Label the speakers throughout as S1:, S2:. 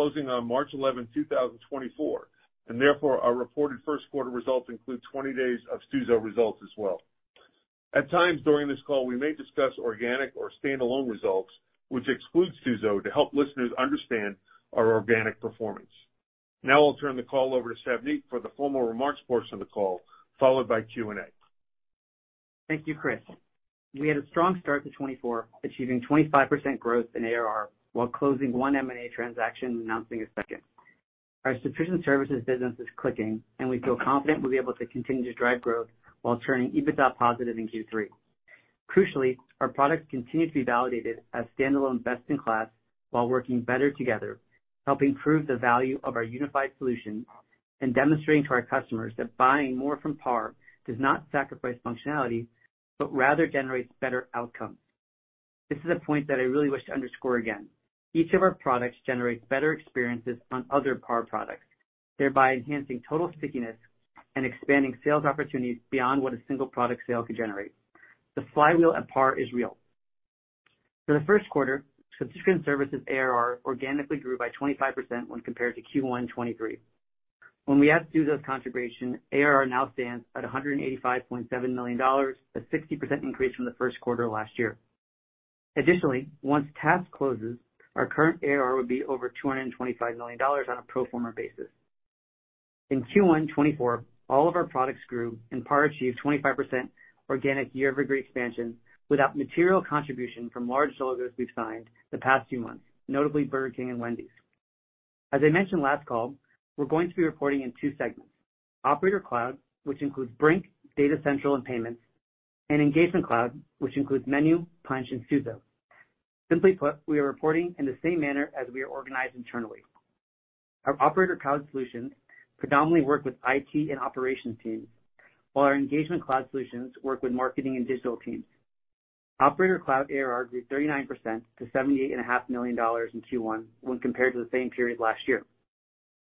S1: Closing on March 11th, 2024, and therefore, our reported first quarter results include 20 days of Stuzo results as well. At times during this call, we may discuss organic or standalone results, which excludes Stuzo, to help listeners understand our organic performance. Now I'll turn the call over to Savneet for the formal remarks portion of the call, followed by Q&A.
S2: Thank you, Chris. We had a strong start to 2024, achieving 25% growth in ARR, while closing one M&A transaction and announcing a second. Our subscription services business is clicking, and we feel confident we'll be able to continue to drive growth while turning EBITDA positive in Q3. Crucially, our products continue to be validated as standalone best-in-class while working better together, helping prove the value of our unified solution and demonstrating to our customers that buying more from PAR does not sacrifice functionality, but rather generates better outcomes. This is a point that I really wish to underscore again. Each of our products generates better experiences on other PAR products, thereby enhancing total stickiness and expanding sales opportunities beyond what a single product sale could generate. The flywheel at PAR is real. For the first quarter, subscription services ARR organically grew by 25% when compared to Q1 2023. When we add Stuzo's contribution, ARR now stands at $185.7 million, a 60% increase from the first quarter last year. Additionally, once TASK closes, our current ARR would be over $225 million on a pro forma basis. In Q1 2024, all of our products grew, and PAR achieved 25% organic year-over-year expansion without material contribution from large logos we've signed the past few months, notably Burger King and Wendy's. As I mentioned last call, we're going to be reporting in two segments: Operator Cloud, which includes Brink, Data Central, and Payments; and Engagement Cloud, which includes MENU, Punchh, and Stuzo. Simply put, we are reporting in the same manner as we are organized internally. Our Operator Cloud solutions predominantly work with IT and operations teams, while our Engagement Cloud solutions work with marketing and digital teams. Operator Cloud ARR grew 39% to $78.5 million in Q1 when compared to the same period last year.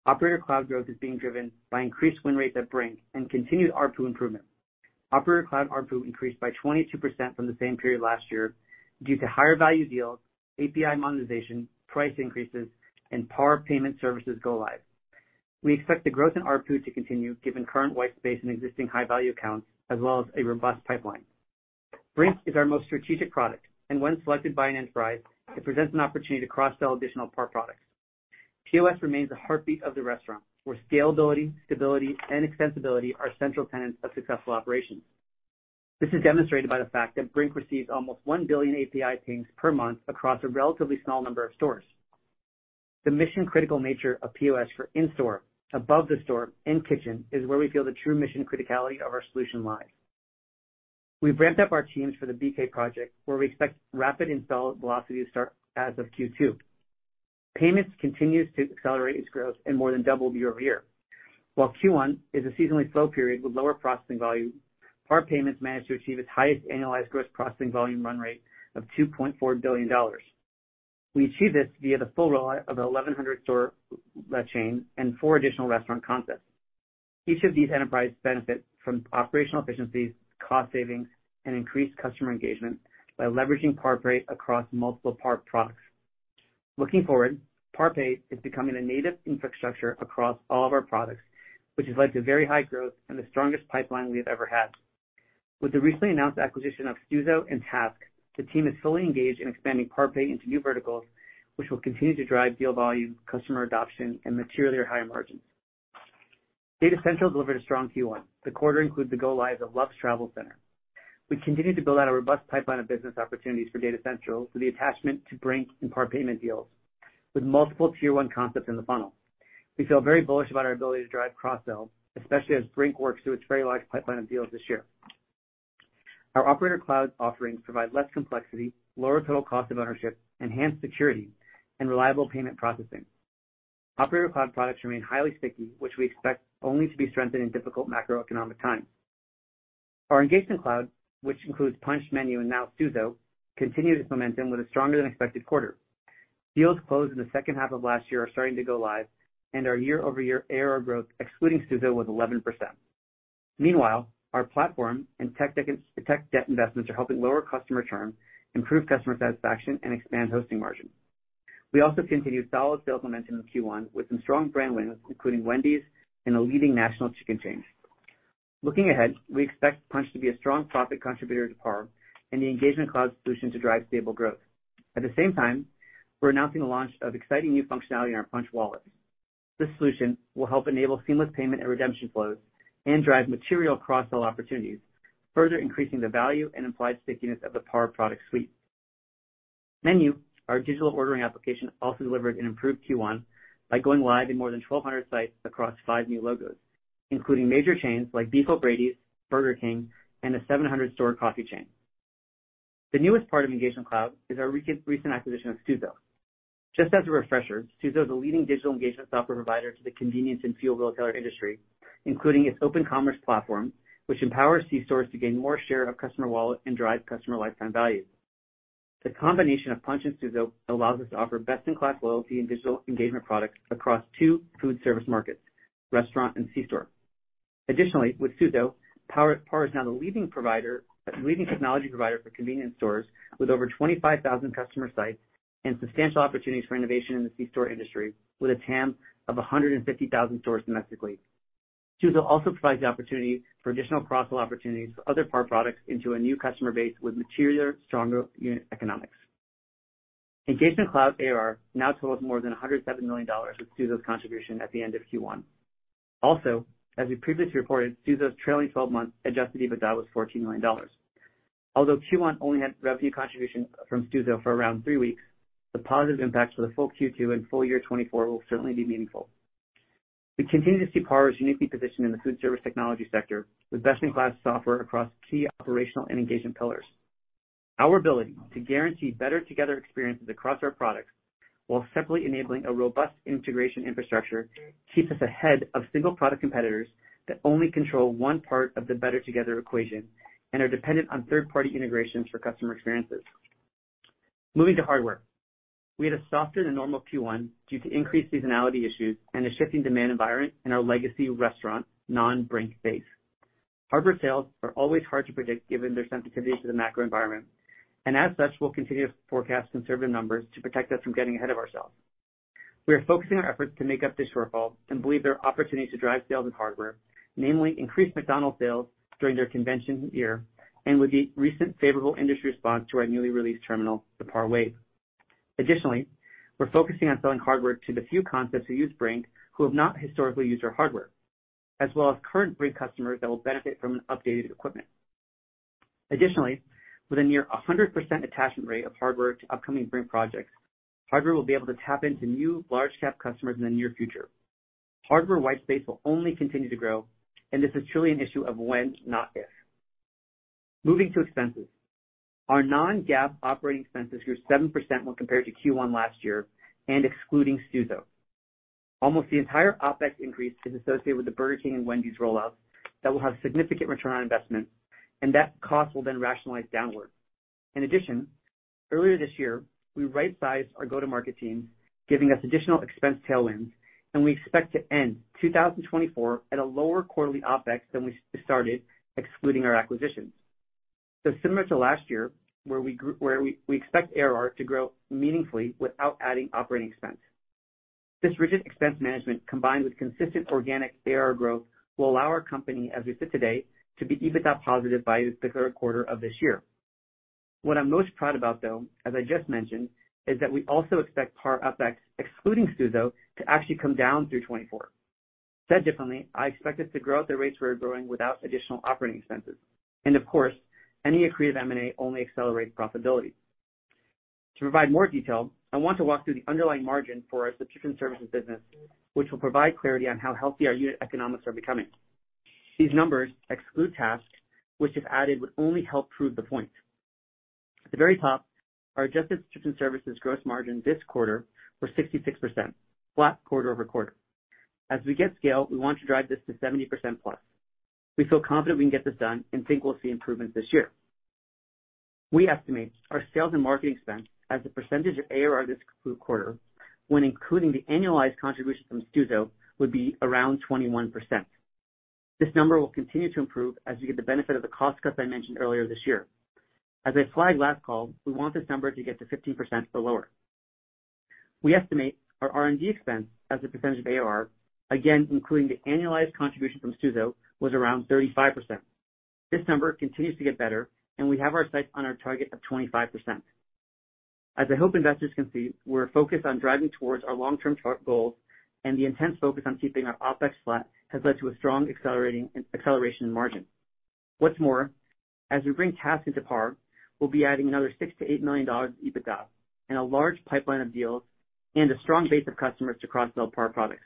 S2: Operator Cloud growth is being driven by increased win rates at Brink and continued ARPU improvement. Operator Cloud ARPU increased by 22% from the same period last year due to higher value deals, API monetization, price increases, and PAR payment services go live. We expect the growth in ARPU to continue, given current white space and existing high-value accounts, as well as a robust pipeline. Brink is our most strategic product, and when selected by an enterprise, it presents an opportunity to cross-sell additional PAR products. POS remains the heartbeat of the restaurant, where scalability, stability, and extensibility are central tenets of successful operations. This is demonstrated by the fact that Brink receives almost 1 billion API pings per month across a relatively small number of stores. The mission-critical nature of POS for in-store, above the store, and kitchen is where we feel the true mission criticality of our solution lies. We've ramped up our teams for the BK project, where we expect rapid install velocity to start as of Q2. Payments continues to accelerate its growth and more than double year-over-year. While Q1 is a seasonally slow period with lower processing volume, PAR Payments managed to achieve its highest annualized gross processing volume run rate of $2.4 billion. We achieved this via the full rollout of the 1,100-store chain and 4 additional restaurant concepts. Each of these enterprises benefit from operational efficiencies, cost savings, and increased customer engagement by leveraging PAR Pay across multiple PAR products. Looking forward, PAR Pay is becoming a native infrastructure across all of our products, which has led to very high growth and the strongest pipeline we've ever had. With the recently announced acquisition of Stuzo and TASK Group, the team is fully engaged in expanding PAR Pay into new verticals, which will continue to drive deal volume, customer adoption, and materially higher margins. Data Central delivered a strong Q1. The quarter includes the go-lives of Love's Travel Stops. We continue to build out a robust pipeline of business opportunities for Data Central for the attachment to Brink and PAR Pay deals, with multiple tier one concepts in the funnel. We feel very bullish about our ability to drive cross-sell, especially as Brink works through its very large pipeline of deals this year. Our Operator Cloud offerings provide less complexity, lower total cost of ownership, enhanced security, and reliable payment processing. Operator Cloud products remain highly sticky, which we expect only to be strengthened in difficult macroeconomic times. Our Engagement Cloud, which includes Punchh, MENU, and now Stuzo, continued its momentum with a stronger than expected quarter. Deals closed in the second half of last year are starting to go live, and our year-over-year ARR growth, excluding Stuzo, was 11%. Meanwhile, our platform and tech debt investments are helping lower customer churn, improve customer satisfaction, and expand hosting margins. We also continued solid sales momentum in Q1 with some strong brand wins, including Wendy's and a leading national chicken chain. Looking ahead, we expect Punchh to be a strong profit contributor to PAR and the Engagement Cloud solution to drive stable growth. At the same time, we're announcing the launch of exciting new functionality in our Punchh Wallet. This solution will help enable seamless payment and redemption flows and drive material cross-sell opportunities, further increasing the value and implied stickiness of the PAR product suite. MENU, our digital ordering application, also delivered an improved Q1 by going live in more than 1,200 sites across 5 new logos, including major chains like Beef 'O' Brady's, Burger King, and a 700-store coffee chain. The newest part of Engagement Cloud is our recent acquisition of Stuzo. Just as a refresher, Stuzo is a leading digital engagement software provider to the convenience and fuel retailer industry, including its Open Commerce platform, which empowers C-stores to gain more share of customer wallet and drive customer lifetime value. The combination of Punchh and Stuzo allows us to offer best-in-class loyalty and digital engagement products across two food service markets, restaurant and C-store. Additionally, with Stuzo, PAR, PAR is now the leading provider, leading technology provider for convenience stores with over 25,000 customer sites and substantial opportunities for innovation in the C-store industry, with a TAM of 150,000 stores domestically. Stuzo also provides the opportunity for additional cross-sell opportunities for other PAR products into a new customer base with material stronger unit economics. Engagement Cloud ARR now totals more than $107 million with Stuzo's contribution at the end of Q1. Also, as we previously reported, Stuzo's trailing twelve-month adjusted EBITDA was $14 million. Although Q1 only had revenue contribution from Stuzo for around three weeks, the positive impact for the full Q2 and full year 2024 will certainly be meaningful. We continue to see PAR is uniquely positioned in the food service technology sector, with best-in-class software across key operational and engagement pillars. Our ability to guarantee better together experiences across our products, while separately enabling a robust integration infrastructure, keeps us ahead of single product competitors that only control one part of the better together equation and are dependent on third-party integrations for customer experiences. Moving to hardware. We had a softer than normal Q1 due to increased seasonality issues and a shifting demand environment in our legacy restaurant, non-Brink base. Hardware sales are always hard to predict given their sensitivity to the macro environment, and as such, we'll continue to forecast conservative numbers to protect us from getting ahead of ourselves. We are focusing our efforts to make up the shortfall and believe there are opportunities to drive sales and hardware, namely increased McDonald's sales during their convention year and with the recent favorable industry response to our newly released terminal, the PAR Wave. Additionally, we're focusing on selling hardware to the few concepts who use Brink, who have not historically used our hardware, as well as current Brink customers that will benefit from updated equipment. Additionally, with nearly 100% attachment rate of hardware to upcoming Brink projects, hardware will be able to tap into new large-cap customers in the near future. Hardware white space will only continue to grow, and this is truly an issue of when, not if. Moving to expenses. Our non-GAAP operating expenses grew 7% when compared to Q1 last year and excluding Stuzo. Almost the entire OpEx increase is associated with the Burger King and Wendy's rollout that will have significant return on investment, and that cost will then rationalize downward. In addition, earlier this year, we rightsized our go-to-market team, giving us additional expense tailwinds, and we expect to end 2024 at a lower quarterly OpEx than we started, excluding our acquisitions. So similar to last year, where we expect ARR to grow meaningfully without adding operating expense. This rigid expense management, combined with consistent organic ARR growth, will allow our company, as we sit today, to be EBITDA positive by the third quarter of this year. What I'm most proud about, though, as I just mentioned, is that we also expect PAR OpEx, excluding Stuzo, to actually come down through 2024. Said differently, I expect us to grow at the rates we're growing without additional operating expenses, and of course, any accretive M&A only accelerates profitability. To provide more detail, I want to walk through the underlying margin for our subscription services business, which will provide clarity on how healthy our unit economics are becoming. These numbers exclude TASK which, if added, would only help prove the point. At the very top, our adjusted subscription services gross margin this quarter were 66%, flat quarter-over-quarter. As we get scale, we want to drive this to 70%+. We feel confident we can get this done and think we'll see improvements this year. We estimate our sales and marketing spend as a percentage of ARR this quarter, when including the annualized contribution from Stuzo, would be around 21%. This number will continue to improve as we get the benefit of the cost cuts I mentioned earlier this year. As I flagged last call, we want this number to get to 15% or lower. We estimate our R&D expense as a percentage of ARR, again, including the annualized contribution from Stuzo, was around 35%. This number continues to get better, and we have our sights on our target of 25%. As I hope investors can see, we're focused on driving towards our long-term chart goals, and the intense focus on keeping our OpEx flat has led to a strong accelerating, acceleration in margin. What's more, as we bring TASK into PAR, we'll be adding another $6 million-$8 million EBITDA and a large pipeline of deals and a strong base of customers to cross-sell PAR products,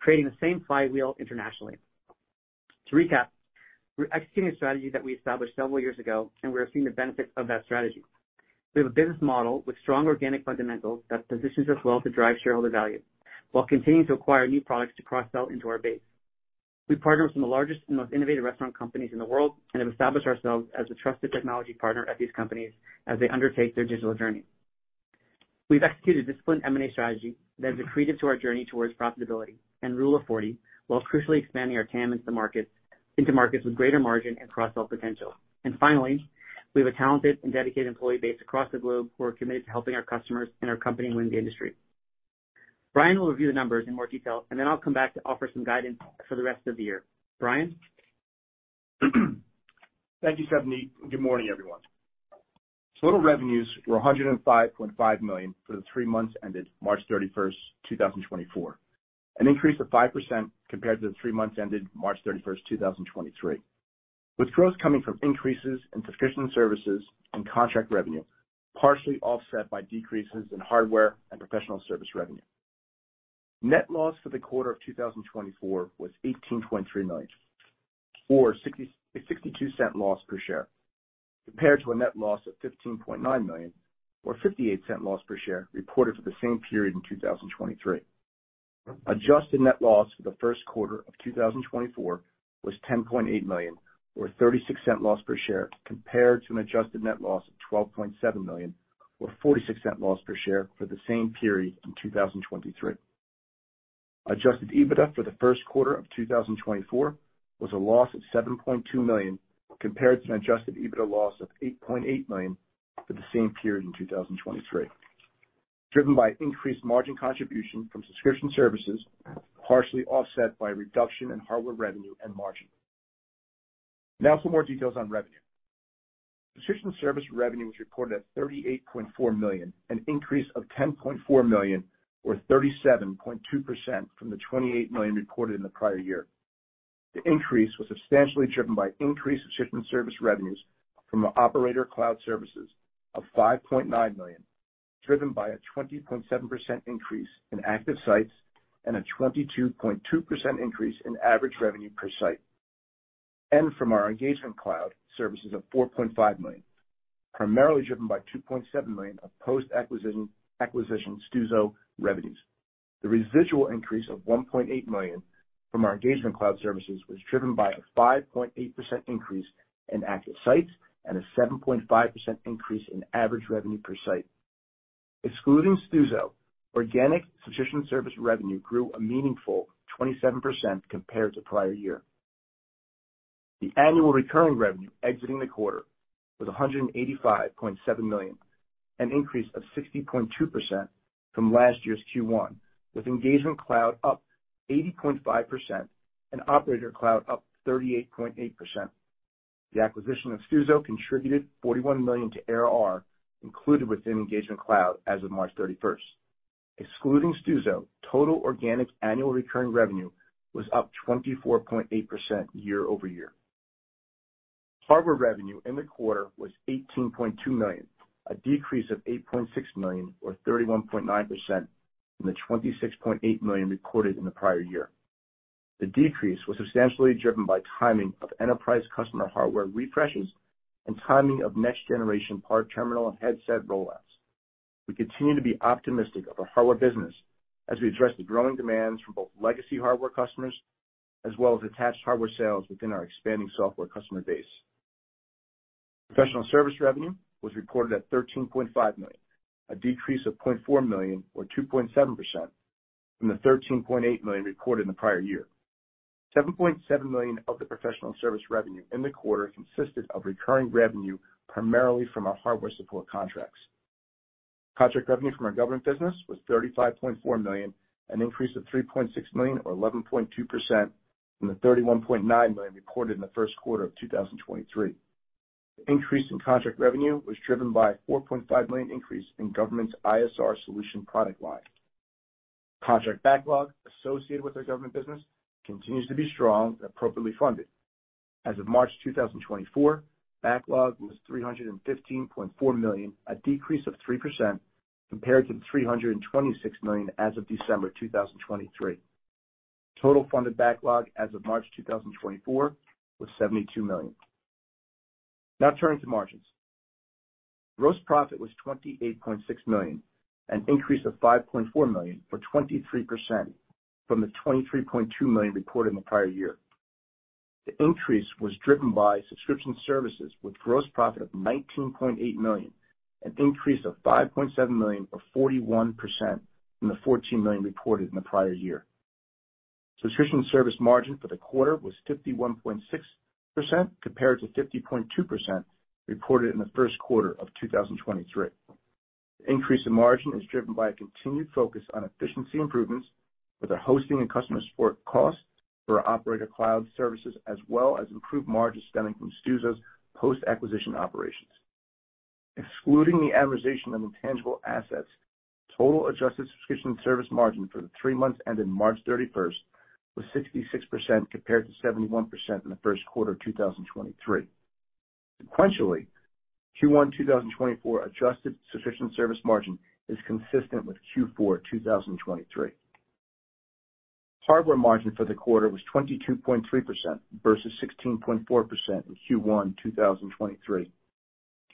S2: creating the same flywheel internationally. To recap, we're executing a strategy that we established several years ago, and we're seeing the benefits of that strategy. We have a business model with strong organic fundamentals that positions us well to drive shareholder value, while continuing to acquire new products to cross-sell into our base. We partner with some of the largest and most innovative restaurant companies in the world and have established ourselves as a trusted technology partner at these companies as they undertake their digital journey. We've executed a disciplined M&A strategy that is accretive to our journey towards profitability and Rule of 40, while crucially expanding our TAM into markets, into markets with greater margin and cross-sell potential. Finally, we have a talented and dedicated employee base across the globe who are committed to helping our customers and our company win the industry. Brian will review the numbers in more detail, and then I'll come back to offer some guidance for the rest of the year. Brian?
S3: Thank you, Savneet. Good morning, everyone. Total revenues were $105.5 million for the three months ended March 31, 2024, an increase of 5% compared to the three months ended March 31, 2023, with growth coming from increases in subscription services and contract revenue, partially offset by decreases in hardware and professional service revenue. Net loss for the quarter of 2024 was $18.3 million, or a $0.62 loss per share, compared to a net loss of $15.9 million, or a $0.58 loss per share, reported for the same period in 2023. Adjusted net loss for the first quarter of 2024 was $10.8 million, or a $0.36 loss per share, compared to an adjusted net loss of $12.7 million-... or $0.46 loss per share for the same period in 2023. Adjusted EBITDA for the first quarter of 2024 was a loss of $7.2 million, compared to an adjusted EBITDA loss of $8.8 million for the same period in 2023, driven by increased margin contribution from subscription services, partially offset by a reduction in hardware revenue and margin. Now for more details on revenue. Subscription service revenue was reported at $38.4 million, an increase of $10.4 million, or 37.2% from the $28 million recorded in the prior year. The increase was substantially driven by increased subscription service revenues from the Operator Cloud services of $5.9 million, driven by a 20.7% increase in active sites and a 22.2% increase in average revenue per site. From our Engagement Cloud services of $4.5 million, primarily driven by $2.7 million of post-acquisition, acquisition Stuzo revenues. The residual increase of $1.8 million from our Engagement Cloud services was driven by a 5.8% increase in active sites and a 7.5% increase in average revenue per site. Excluding Stuzo, organic subscription service revenue grew a meaningful 27% compared to prior year. The annual recurring revenue exiting the quarter was $185.7 million, an increase of 60.2% from last year's Q1, with Engagement Cloud up 80.5% and Operator Cloud up 38.8%. The acquisition of Stuzo contributed $41 million to ARR, included within Engagement Cloud as of March 31st. Excluding Stuzo, total organic annual recurring revenue was up 24.8% year over year. Hardware revenue in the quarter was $18.2 million, a decrease of $8.6 million or 31.9% from the $26.8 million recorded in the prior year. The decrease was substantially driven by timing of enterprise customer hardware refreshes and timing of next-generation PAR terminal and headset rollouts. We continue to be optimistic of our hardware business as we address the growing demands from both legacy hardware customers as well as attached hardware sales within our expanding software customer base. Professional service revenue was reported at $13.5 million, a decrease of $0.4 million, or 2.7%, from the $13.8 million recorded in the prior year. $7.7 million of the professional service revenue in the quarter consisted of recurring revenue, primarily from our hardware support contracts. Contract revenue from our government business was $35.4 million, an increase of $3.6 million, or 11.2%, from the $31.9 million reported in the first quarter of 2023. The increase in contract revenue was driven by a $4.5 million increase in government's ISR solution product line. Contract backlog associated with our government business continues to be strong and appropriately funded. As of March 2024, backlog was $315.4 million, a decrease of 3% compared to $326 million as of December 2023. Total funded backlog as of March 2024 was $72 million. Now turning to margins. Gross profit was $28.6 million, an increase of $5.4 million, or 23%, from the $23.2 million reported in the prior year. The increase was driven by subscription services with gross profit of $19.8 million, an increase of $5.7 million, or 41%, from the $14 million reported in the prior year. Subscription service margin for the quarter was 51.6%, compared to 50.2% reported in the first quarter of 2023. The increase in margin is driven by a continued focus on efficiency improvements with our hosting and customer support costs for our Operator Cloud services, as well as improved margins stemming from Stuzo's post-acquisition operations. Excluding the amortization of intangible assets, total adjusted subscription service margin for the three months ending March 31st was 66%, compared to 71% in the first quarter of 2023. Sequentially, Q1 2024 adjusted subscription service margin is consistent with Q4 2023. Hardware margin for the quarter was 22.3% versus 16.4% in Q1 2023.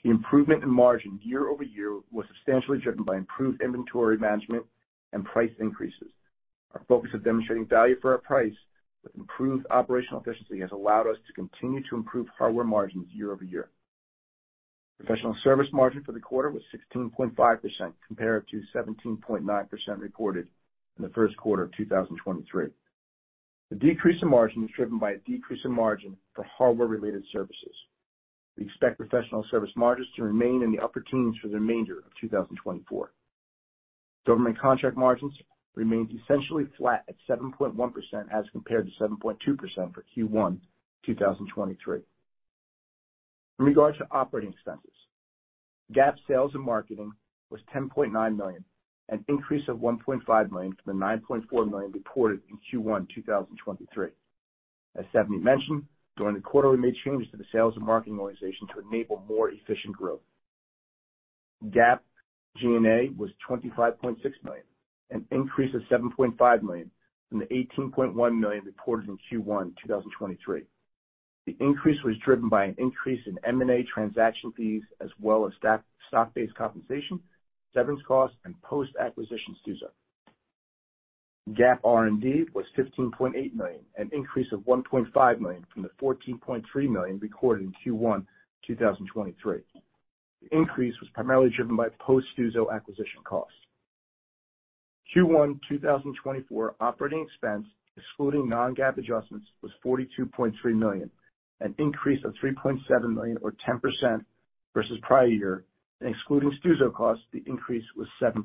S3: The improvement in margin year-over-year was substantially driven by improved inventory management and price increases. Our focus of demonstrating value for our price with improved operational efficiency has allowed us to continue to improve hardware margins year-over-year. Professional service margin for the quarter was 16.5%, compared to 17.9% reported in the first quarter of 2023. The decrease in margin was driven by a decrease in margin for hardware-related services. We expect professional service margins to remain in the upper teens for the remainder of 2024. Government contract margins remained essentially flat at 7.1% as compared to 7.2% for Q1 2023. In regards to operating expenses, GAAP sales and marketing was $10.9 million, an increase of $1.5 million from the $9.4 million reported in Q1 2023. As Savneet mentioned, during the quarter, we made changes to the sales and marketing organization to enable more efficient growth. GAAP G&A was $25.6 million, an increase of $7.5 million from the $18.1 million reported in Q1 2023. The increase was driven by an increase in M&A transaction fees as well as staff stock-based compensation, severance costs, and post-acquisition Stuzo.... GAAP R&D was $15.8 million, an increase of $1.5 million from the $14.3 million recorded in Q1 2023. The increase was primarily driven by post-Stuzo acquisition costs. Q1 2024 operating expense, excluding non-GAAP adjustments, was $42.3 million, an increase of $3.7 million or 10% versus prior year, and excluding Stuzo costs, the increase was 7%.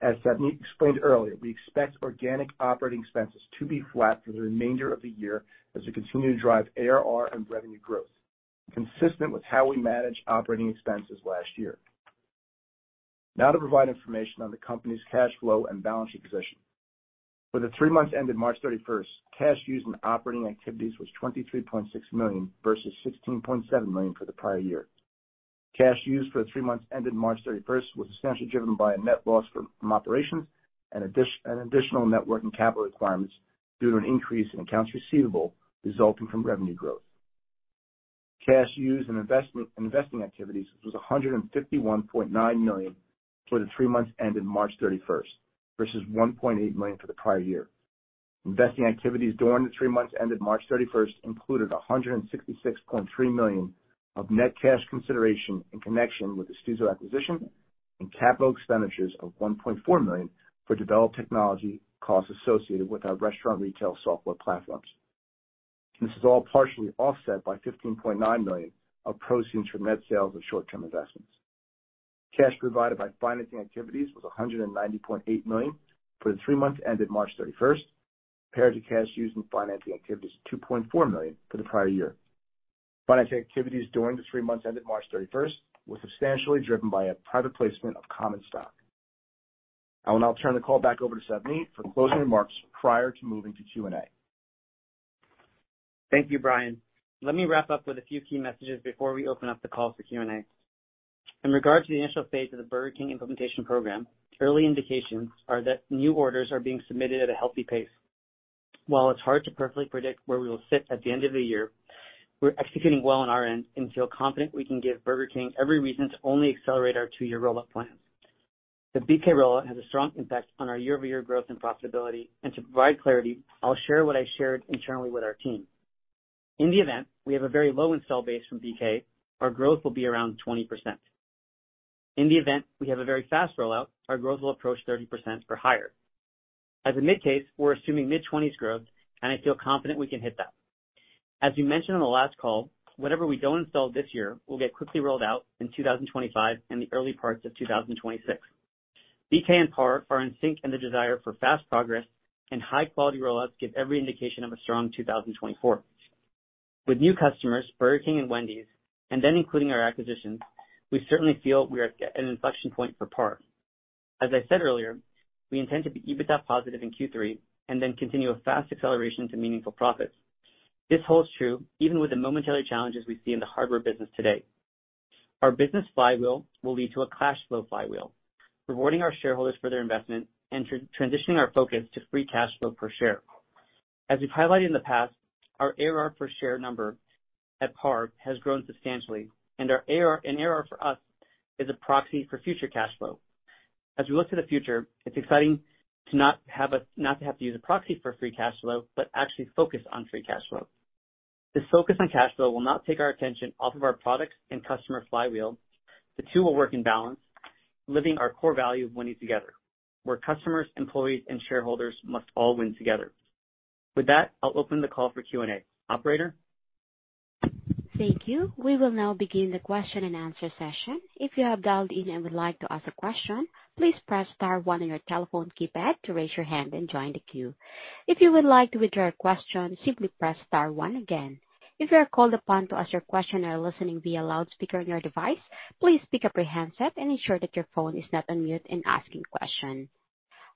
S3: As Savneet explained earlier, we expect organic operating expenses to be flat for the remainder of the year as we continue to drive ARR and revenue growth, consistent with how we managed operating expenses last year. Now to provide information on the company's cash flow and balance sheet position. For the three months ended March 31, cash used in operating activities was $23.6 million versus $16.7 million for the prior year. Cash used for the three months ended March 31 was essentially driven by a net loss from operations and additional net working capital requirements due to an increase in accounts receivable resulting from revenue growth. Cash used in investing activities was $151.9 million for the three months ended March 31st, versus $1.8 million for the prior year. Investing activities during the three months ended March 31st included $166.3 million of net cash consideration in connection with the Stuzo acquisition and capital expenditures of $1.4 million for developed technology costs associated with our restaurant retail software platforms. This is all partially offset by $15.9 million of proceeds from net sales and short-term investments. Cash provided by financing activities was $190.8 million for the three months ended March 31st, compared to cash used in financing activities of $2.4 million for the prior year. Financing activities during the three months ended March 31st were substantially driven by a private placement of common stock. I will now turn the call back over to Savneet for closing remarks prior to moving to Q&A.
S2: Thank you, Brian. Let me wrap up with a few key messages before we open up the call for Q&A. In regard to the initial phase of the Burger King implementation program, early indications are that new orders are being submitted at a healthy pace. While it's hard to perfectly predict where we will sit at the end of the year, we're executing well on our end and feel confident we can give Burger King every reason to only accelerate our 2-year rollout plan. The BK rollout has a strong impact on our year-over-year growth and profitability, and to provide clarity, I'll share what I shared internally with our team. In the event, we have a very low install base from BK, our growth will be around 20%. In the event, we have a very fast rollout, our growth will approach 30% or higher. As a mid-case, we're assuming mid-20s growth, and I feel confident we can hit that. As we mentioned on the last call, whatever we don't install this year will get quickly rolled out in 2025 and the early parts of 2026. BK and PAR are in sync in the desire for fast progress, and high quality rollouts give every indication of a strong 2024. With new customers, Burger King and Wendy's, and then including our acquisitions, we certainly feel we are at an inflection point for PAR. As I said earlier, we intend to be EBITDA positive in Q3 and then continue a fast acceleration to meaningful profits. This holds true even with the momentary challenges we see in the hardware business today. Our business flywheel will lead to a cash flow flywheel, rewarding our shareholders for their investment and transitioning our focus to free cash flow per share. As we've highlighted in the past, our ARR per share number at PAR has grown substantially, and our ARR—and ARR for us is a proxy for future cash flow. As we look to the future, it's exciting to not have to use a proxy for free cash flow, but actually focus on free cash flow. This focus on cash flow will not take our attention off of our products and customer flywheel. The two will work in balance, living our core value of winning together, where customers, employees, and shareholders must all win together. With that, I'll open the call for Q&A. Operator?
S4: Thank you. We will now begin the question-and-answer session. If you have dialed in and would like to ask a question, please press star one on your telephone keypad to raise your hand and join the queue. If you would like to withdraw your question, simply press star one again. If you are called upon to ask your question and are listening via loudspeaker on your device, please pick up your handset and ensure that your phone is not on mute in asking question.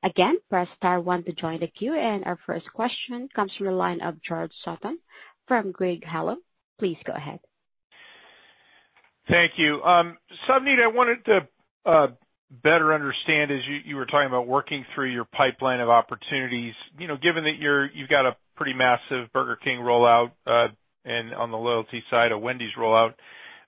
S4: Again, press star one to join the queue, and our first question comes from the line of George Sutton from Craig-Hallum. Please go ahead.
S5: Thank you. Savneet, I wanted to better understand, as you were talking about working through your pipeline of opportunities, you know, given that you've got a pretty massive Burger King rollout, and on the loyalty side, a Wendy's rollout,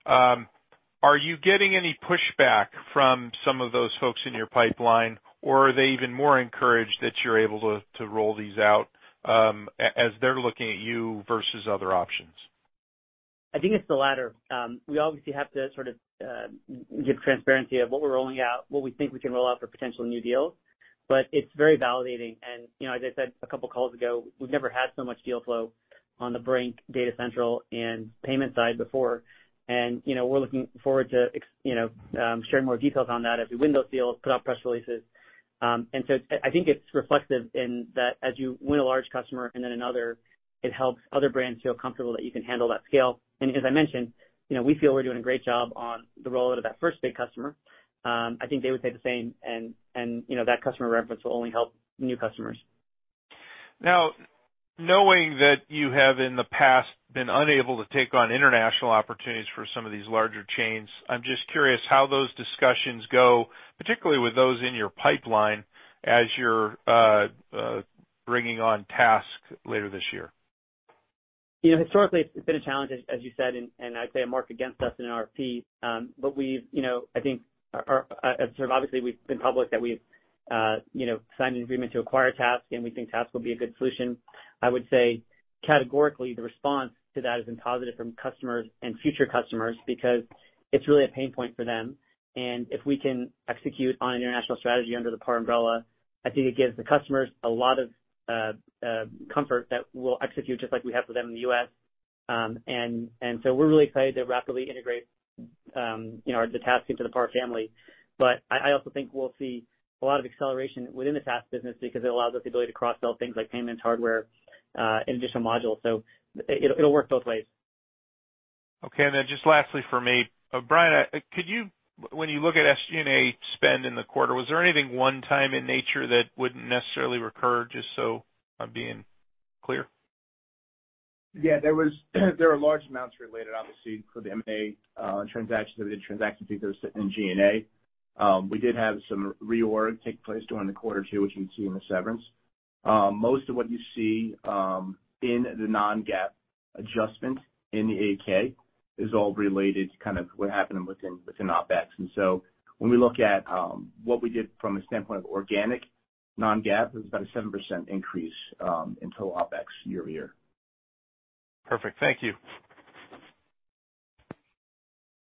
S5: are you getting any pushback from some of those folks in your pipeline, or are they even more encouraged that you're able to roll these out, as they're looking at you versus other options?
S2: I think it's the latter. We obviously have to sort of give transparency of what we're rolling out, what we think we can roll out for potential new deals, but it's very validating. And, you know, as I said a couple calls ago, we've never had so much deal flow on the Brink, Data Central, and Payments side before. And, you know, we're looking forward to, you know, sharing more details on that as we win those deals, put out press releases. And so I think it's reflective in that as you win a large customer and then another, it helps other brands feel comfortable that you can handle that scale. And as I mentioned, you know, we feel we're doing a great job on the rollout of that first big customer. I think they would say the same, and you know, that customer reference will only help new customers.
S5: Now, knowing that you have in the past been unable to take on international opportunities for some of these larger chains, I'm just curious how those discussions go, particularly with those in your pipeline, as you're bringing on TASK later this year. ...
S2: You know, historically, it's been a challenge, as you said, and I'd say a mark against us in an RFP. But we've, you know, I think our sort of obviously, we've been public that we've, you know, signed an agreement to acquire TASK, and we think TASK will be a good solution. I would say, categorically, the response to that has been positive from customers and future customers, because it's really a pain point for them. And if we can execute on an international strategy under the PAR umbrella, I think it gives the customers a lot of comfort that we'll execute, just like we have for them in the US. And so we're really excited to rapidly integrate, you know, the TASK into the PAR family. But I also think we'll see a lot of acceleration within the TASK business, because it allows us the ability to cross-sell things like payments, hardware, and additional modules. So it'll work both ways.
S5: Okay. And then just lastly for me, Brian, could you, when you look at SG&A spend in the quarter, was there anything one time in nature that wouldn't necessarily recur, just so I'm being clear?
S3: Yeah, there were large amounts related, obviously, for the M&A transaction. The transaction fee goes into G&A. We did have some reorg take place during the quarter too, which you can see in the severance. Most of what you see in the non-GAAP adjustment in the 10-K is all related to kind of what happened within OpEx. And so when we look at what we did from a standpoint of organic non-GAAP, it was about a 7% increase in total OpEx year-over-year.
S5: Perfect. Thank you.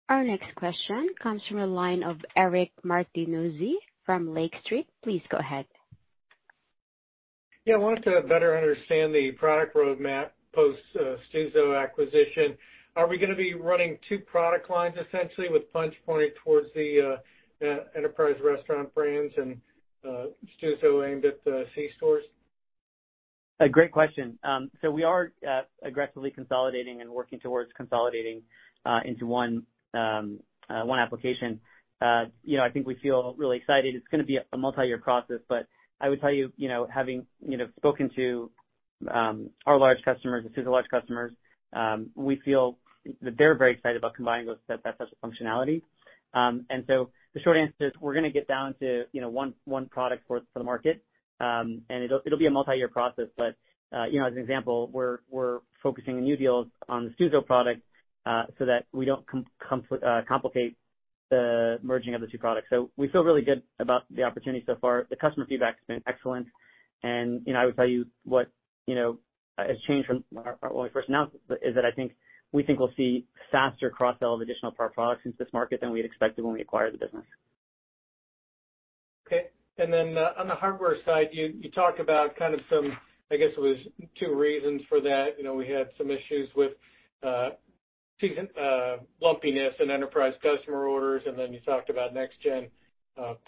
S4: Our next question comes from the line of Eric Martinuzzi from Lake Street. Please go ahead.
S6: Yeah, I wanted to better understand the product roadmap post Stuzo acquisition. Are we going to be running two product lines essentially with Punchh pointed towards the enterprise restaurant brands and Stuzo aimed at the C-stores?
S2: A great question. So we are aggressively consolidating and working towards consolidating into one application. You know, I think we feel really excited. It's going to be a multi-year process, but I would tell you, you know, having, you know, spoken to our large customers and Stuzo large customers, we feel that they're very excited about combining those, that set of functionality. And so the short answer is, we're going to get down to, you know, one product for the market. And it'll be a multi-year process, but you know, as an example, we're focusing the new deals on the Stuzo product so that we don't complicate the merging of the two products. So we feel really good about the opportunity so far. The customer feedback's been excellent. You know, I would tell you what, you know, has changed from when I, when we first announced this, is that I think, we think we'll see faster cross-sell of additional PAR products into this market than we'd expected when we acquired the business.
S6: Okay. And then, on the hardware side, you, you talked about kind of some, I guess, it was two reasons for that. You know, we had some issues with, season, lumpiness and enterprise customer orders, and then you talked about next-gen,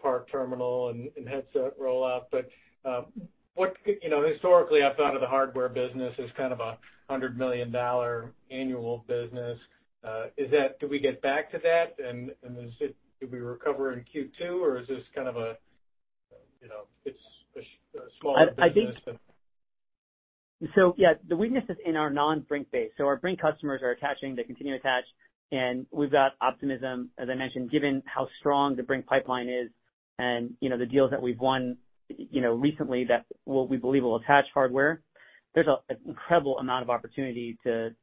S6: PAR terminal and, and headset rollout. But, what, you know, historically, I've thought of the hardware business as kind of a $100 million annual business. Is that... Do we get back to that? And, and is it, do we recover in Q2, or is this kind of a, you know, it's a smaller business than-
S2: I think— So, yeah, the weakness is in our non-Brink base. So our Brink customers are attaching, they continue to attach, and we've got optimism, as I mentioned, given how strong the Brink pipeline is and, you know, the deals that we've won, you know, recently, that what we believe will attach hardware. There's an incredible amount of opportunity for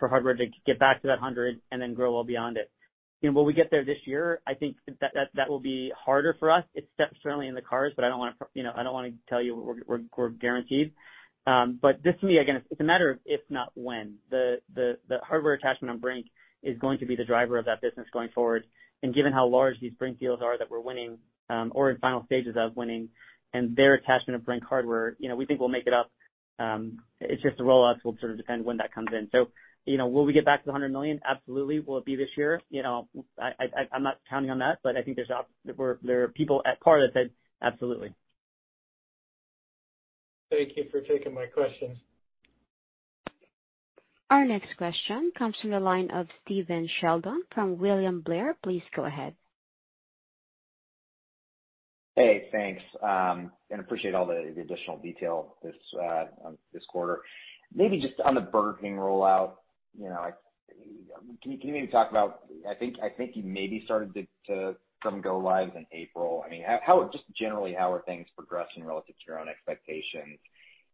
S2: hardware to get back to that 100 and then grow well beyond it. You know, will we get there this year? I think that will be harder for us. It's certainly in the cards, but I don't want to you know, I don't want to tell you we're guaranteed. But this to me, again, it's a matter of, if not when. The hardware attachment on Brink is going to be the driver of that business going forward. Given how large these Brink deals are that we're winning, or in final stages of winning, and their attachment to Brink hardware, you know, we think we'll make it up. It's just the rollouts will sort of depend when that comes in. So, you know, will we get back to the $100 million? Absolutely. Will it be this year? You know, I'm not counting on that, but I think there are people at PAR that said, "Absolutely.
S6: Thank you for taking my questions.
S4: Our next question comes from the line of Stephen Sheldon from William Blair. Please go ahead.
S7: Hey, thanks, and appreciate all the additional detail this quarter. Maybe just on the Burger King rollout, you know, I, can you, can you maybe talk about... I think you maybe started to some go-lives in April. I mean, how, just generally, how are things progressing relative to your own expectations?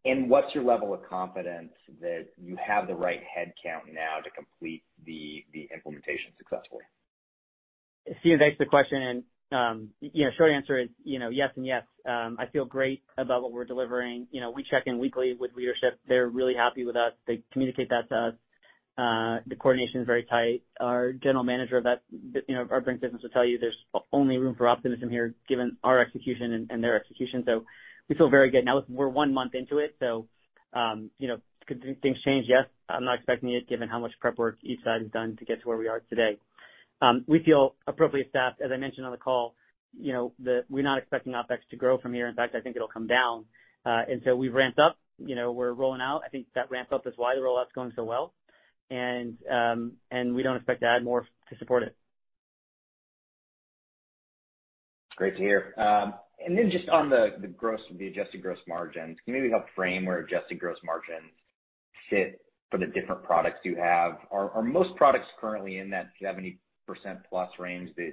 S7: And what's your level of confidence that you have the right headcount now to complete the implementation successfully?
S2: Stephen, thanks for the question. You know, short answer is, you know, yes and yes. I feel great about what we're delivering. You know, we check in weekly with leadership. They're really happy with us. They communicate that to us. The coordination is very tight. Our general manager of that, you know, our Brink business will tell you there's only room for optimism here, given our execution and their execution. So we feel very good. Now, we're one month into it, so, you know, could things change? Yes. I'm not expecting it, given how much prep work each side has done to get to where we are today. We feel appropriately staffed, as I mentioned on the call, you know, that we're not expecting OpEx to grow from here. In fact, I think it'll come down. and so we've ramped up, you know, we're rolling out. I think that ramp-up is why the rollout's going so well. And we don't expect to add more to support it.
S7: Great to hear. And then just on the adjusted gross margins, can you maybe help frame where adjusted gross margins sit for the different products you have? Are most products currently in that 70%+ range that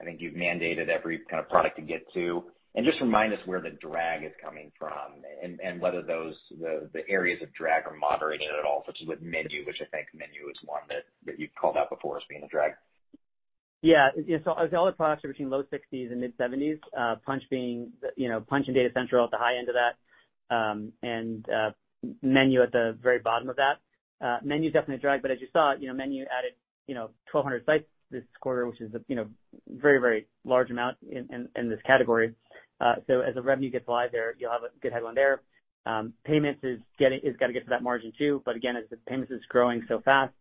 S7: I think you've mandated every kind of product to get to? And just remind us where the drag is coming from, and whether those areas of drag are moderating at all, such as with MENU, which I think MENU is one that you've called out before as being a drag?...
S2: Yeah, so all the products are between low 60s and mid 70s, Punchh being, you know, Punchh and Data Central at the high end of that, and MENU at the very bottom of that. MENU is definitely a drag, but as you saw, you know, MENU added, you know, 1,200 sites this quarter, which is, you know, very, very large amount in this category. So as the revenue gets live there, you'll have a good headline there. Payments is gonna get to that margin too. But again, as the payments is growing so fast,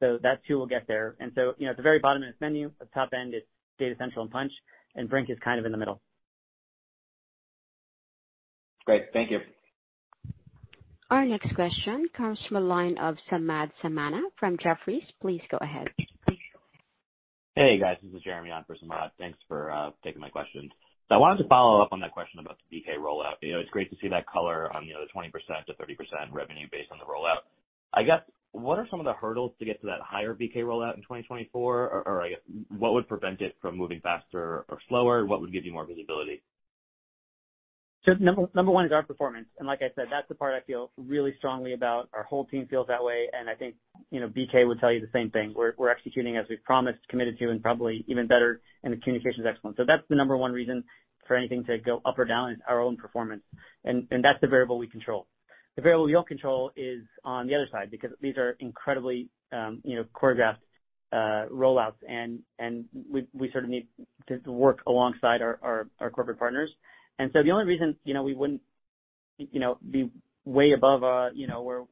S2: so that too, will get there. And so, you know, at the very bottom, it's MENU, at the top end, it's Data Central and Punchh, and Brink is kind of in the middle.
S7: Great. Thank you.
S4: Our next question comes from a line of Samad Samana from Jefferies. Please go ahead.
S8: Hey, guys, this is Jeremy on for Samad. Thanks for taking my questions. So I wanted to follow up on that question about the BK rollout. You know, it's great to see that color on, you know, the 20%-30% revenue based on the rollout. I guess, what are some of the hurdles to get to that higher BK rollout in 2024? Or, or I guess, what would prevent it from moving faster or slower, and what would give you more visibility?
S2: So number one is our performance, and like I said, that's the part I feel really strongly about. Our whole team feels that way, and I think, you know, BK would tell you the same thing. We're executing as we've promised, committed to, and probably even better, and the communication is excellent. So that's the number one reason for anything to go up or down is our own performance, and that's the variable we control. The variable we don't control is on the other side, because these are incredibly, you know, choreographed rollouts, and we sort of need to work alongside our corporate partners. So the only reason, you know, we wouldn't, you know, be way above, you know, where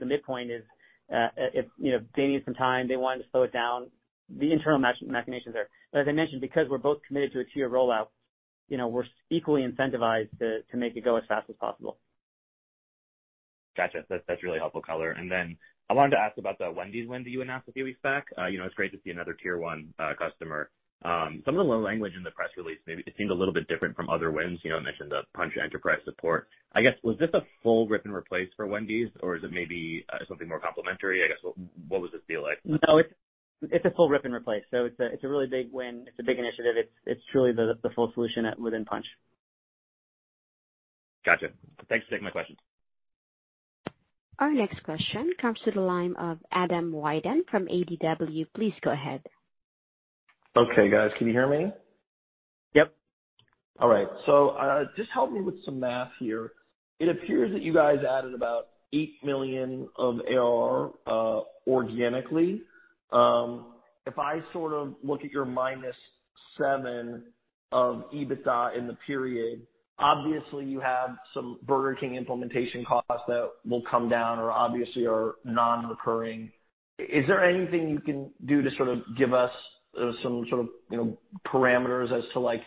S2: the midpoint is, if, you know, they need some time, they wanted to slow it down, the internal machinations there. But as I mentioned, because we're both committed to a tier rollout, you know, we're equally incentivized to make it go as fast as possible.
S8: Gotcha. That's, that's really helpful color. And then I wanted to ask about the Wendy's win that you announced a few weeks back. You know, it's great to see another tier one customer. Some of the language in the press release, maybe it seemed a little bit different from other wins, you know, it mentioned the Punchh Enterprise support. I guess, was this a full rip and replace for Wendy's, or is it maybe something more complementary? I guess, what, what was this deal like?
S2: No, it's a full rip and replace, so it's a really big win. It's a big initiative. It's truly the full solution within Punchh.
S8: Gotcha. Thanks for taking my questions.
S4: Our next question comes to the line of Adam Wyden from ADW. Please go ahead.
S9: Okay, guys, can you hear me?
S2: Yep.
S9: All right, so just help me with some math here. It appears that you guys added about $8 million of ARR organically. If I sort of look at your -$7 million of EBITDA in the period, obviously you have some Burger King implementation costs that will come down or obviously are non-recurring. Is there anything you can do to sort of give us some sort of, you know, parameters as to like,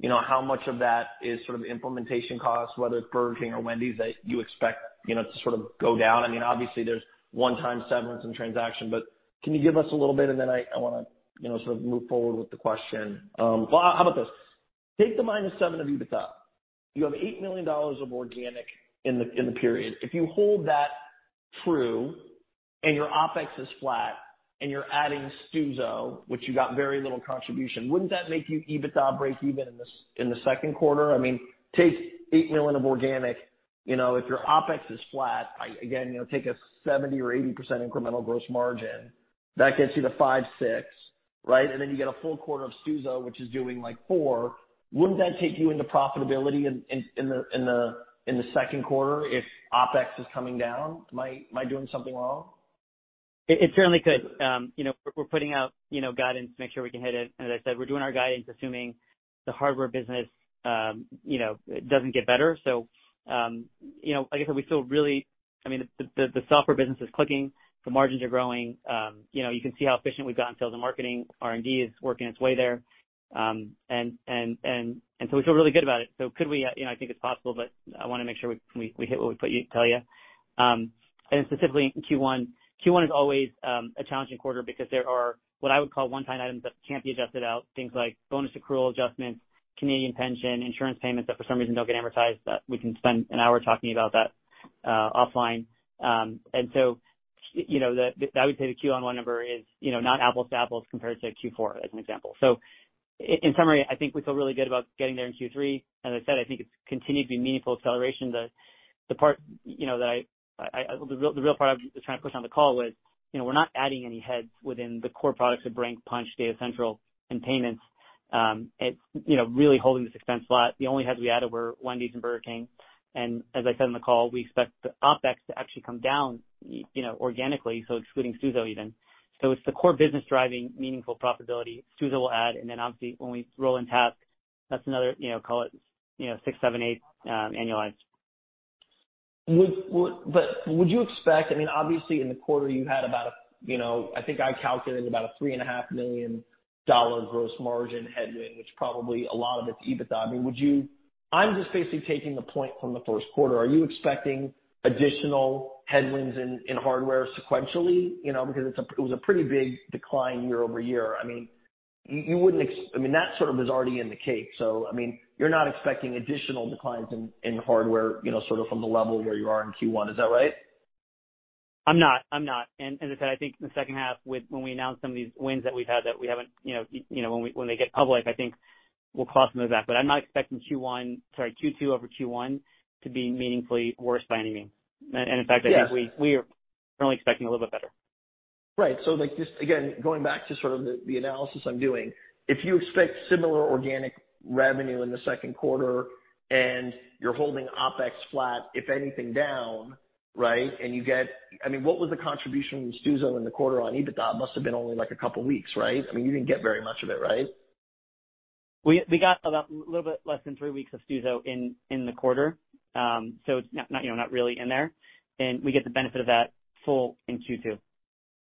S9: you know, how much of that is sort of implementation costs, whether it's Burger King or Wendy's, that you expect, you know, to sort of go down? I mean, obviously, there's one-time severance and transaction, but can you give us a little bit? And then I wanna, you know, sort of move forward with the question. Well, how about this? Take the -$7 million of EBITDA. You have $8 million of organic in the period. If you hold that true, and your OpEx is flat, and you're adding Stuzo, which you got very little contribution, wouldn't that make you EBITDA breakeven in the second quarter? I mean, take $8 million of organic, you know, if your OpEx is flat, again, you know, take a 70% or 80% incremental gross margin, that gets you to five, six, right? And then you get a full quarter of Stuzo, which is doing like four. Wouldn't that take you into profitability in the second quarter if OpEx is coming down? Am I doing something wrong?
S2: It certainly could. You know, we're putting out, you know, guidance to make sure we can hit it. As I said, we're doing our guidance, assuming the hardware business, you know, doesn't get better. So, you know, like I said, we feel really, I mean, the software business is clicking, the margins are growing. You know, you can see how efficient we've got in sales and marketing. R&D is working its way there. And so we feel really good about it. So could we, you know, I think it's possible, but I wanna make sure we hit what we put you tell you. And specifically in Q1, Q1 is always a challenging quarter because there are what I would call one-time items that can't be adjusted out, things like bonus accrual adjustments, Canadian pension, insurance payments, that for some reason don't get advertised. But we can spend an hour talking about that offline. And so, you know, the, I would say the Q1 number is, you know, not apples to apples compared to Q4, as an example. So in summary, I think we feel really good about getting there in Q3. As I said, I think it's continued to be meaningful acceleration. The part, you know, that I... The real part I'm trying to push on the call was, you know, we're not adding any heads within the core products of Brink, Punchh, Data Central, and Payments. It's, you know, really holding this expense flat. The only heads we added were Wendy's and Burger King, and as I said in the call, we expect the OpEx to actually come down, you know, organically, so excluding Stuzo even. So it's the core business driving meaningful profitability. Stuzo will add, and then obviously, when we roll in TASK, that's another, you know, call it, you know, 6, 7, 8 annualized.
S9: But would you expect—I mean, obviously in the quarter, you had about, you know, I think I calculated about a $3.5 million gross margin headwind, which probably a lot of it's EBITDA. I mean, would you—I'm just basically taking the point from the first quarter. Are you expecting additional headwinds in hardware sequentially? You know, because it was a pretty big decline year-over-year. I mean, you wouldn't—I mean, that sort of is already in the cake, so I mean, you're not expecting additional declines in hardware, you know, sort of from the level where you are in Q1, is that right?
S2: I'm not, I'm not. And as I said, I think in the second half, with when we announced some of these wins that we've had, that we haven't, you know, you know, when we- when they get public, I think we'll cause some of that. But I'm not expecting Q1, sorry, Q2 over Q1 to be meaningfully worse by any means. And, and in fact, I think we-
S9: Yes....
S2: currently expecting a little bit better.
S9: Right. So like, just again, going back to sort of the, the analysis I'm doing, if you expect similar organic revenue in the second quarter and you're holding OpEx flat, if anything, down, right? And you get- I mean, what was the contribution from Stuzo in the quarter on EBITDA? It must have been only like a couple of weeks, right? I mean, you didn't get very much of it, right?
S2: We got about a little bit less than 3 weeks of Stuzo in the quarter. So it's not, you know, not really in there, and we get the benefit of that full in Q2.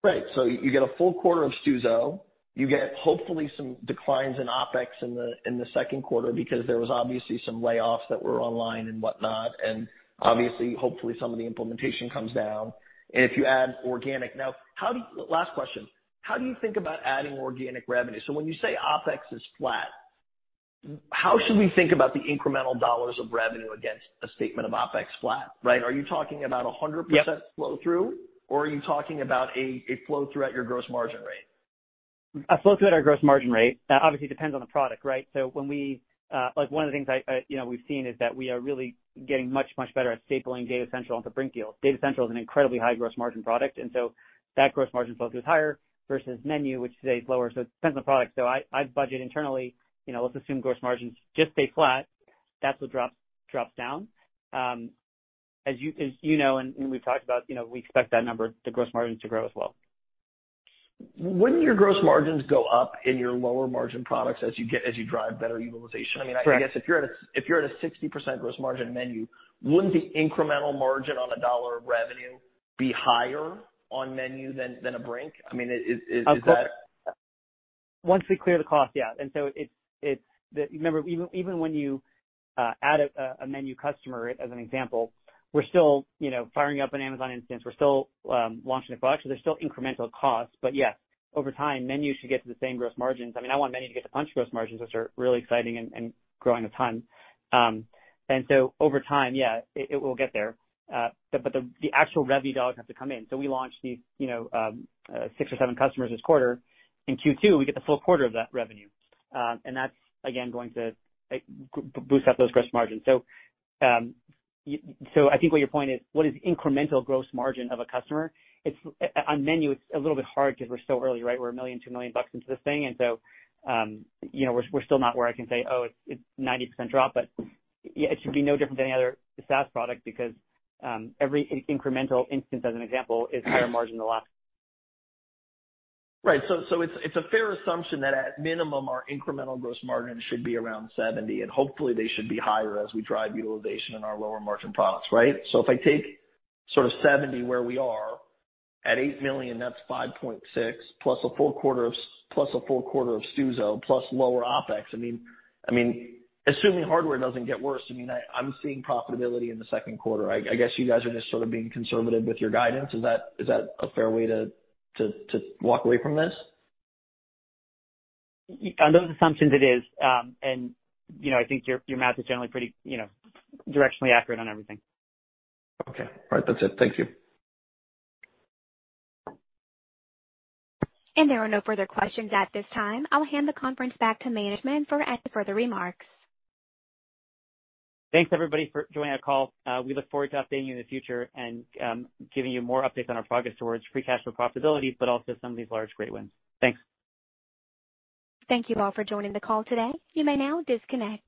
S9: Right. So you get a full quarter of Stuzo. You get, hopefully, some declines in OpEx in the second quarter because there was obviously some layoffs that were online and whatnot. And obviously, hopefully, some of the implementation comes down. And if you add organic— Now, how do— Last question: How do you think about adding organic revenue? So when you say OpEx is flat, how should we think about the incremental dollars of revenue against a statement of OpEx flat, right? Are you talking about 100%—
S2: Yep...
S9: flow through, or are you talking about a flow through at your gross margin rate?
S2: A flow through at our gross margin rate. Obviously, it depends on the product, right? So when we—like, one of the things I, I, you know, we've seen is that we are really getting much, much better at stapling Data Central into Brink deals. Data Central is an incredibly high gross margin product, and so that gross margin flow is higher versus MENU, which today is lower. So it depends on the product. So I, I budget internally, you know, let's assume gross margins just stay flat. That's what drops, drops down. As you, as you know, and, and we've talked about, you know, we expect that number, the gross margin, to grow as well.
S9: Wouldn't your gross margins go up in your lower margin products as you get, as you drive better utilization?
S2: Right.
S9: I mean, I guess if you're at a 60% gross margin MENU, wouldn't the incremental margin on a dollar of revenue be higher on MENU than a Brink? I mean, is that-
S2: Of course. Once we clear the cost, yeah. And so it's the... Remember, even when you add a MENU customer, as an example, we're still, you know, firing up an Amazon instance. We're still launching a product. So there's still incremental costs. But yeah, over time, MENU should get to the same gross margins. I mean, I want MENU to get to Punchh gross margins, which are really exciting and growing a ton. And so over time, yeah, it will get there. But the actual revenue dollars have to come in. So we launched these, you know, six or seven customers this quarter. In Q2, we get the full quarter of that revenue. And that's, again, going to, like, boost up those gross margins. So, I think what your point is: What is incremental gross margin of a customer? It's on MENU, it's a little bit hard because we're still early, right? We're $1 million, $2 million bucks into this thing, and so, you know, we're still not where I can say, "Oh, it's 90% drop." But yeah, it should be no different than any other SaaS product because every incremental instance, as an example, is higher margin than the last.
S9: Right. So it's a fair assumption that at minimum, our incremental gross margin should be around 70%, and hopefully, they should be higher as we drive utilization in our lower margin products, right? So if I take sort of 70% where we are, at $8 million, that's $5.6 million, plus a full quarter of Stuzo, plus lower OpEx. I mean, assuming hardware doesn't get worse, I mean, I'm seeing profitability in the second quarter. I guess you guys are just sort of being conservative with your guidance. Is that a fair way to walk away from this?
S2: Under those assumptions, it is. And you know, I think your, your math is generally pretty, you know, directionally accurate on everything.
S9: Okay. All right, that's it. Thank you.
S4: There are no further questions at this time. I'll hand the conference back to management for any further remarks.
S2: Thanks, everybody, for joining our call. We look forward to updating you in the future and giving you more updates on our progress towards free cash flow profitability, but also some of these large great wins. Thanks.
S4: Thank you all for joining the call today. You may now disconnect.